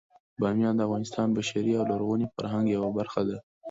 بامیان د افغانستان د بشري او لرغوني فرهنګ یوه برخه ده.